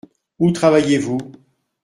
Où travaillez-vous ?